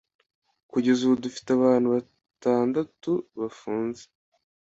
kugeza ubu dufite abantu batandatu bafunze,